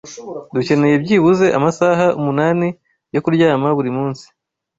Dukeneye byibuze amasaha umunani yo kuryama buri munsi